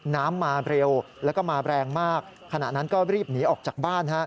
มาเร็วแล้วก็มาแรงมากขณะนั้นก็รีบหนีออกจากบ้าน